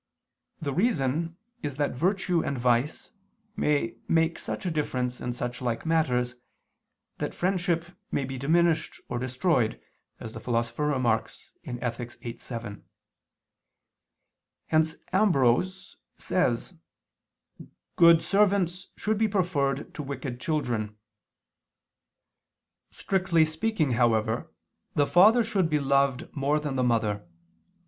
The reason is that virtue and vice may make such a difference in such like matters, that friendship may be diminished or destroyed, as the Philosopher remarks (Ethic. viii, 7). Hence Ambrose [*Origen, Hom. ii in Cant.] says: "Good servants should be preferred to wicked children." Strictly speaking, however, the father should be loved more than the mother.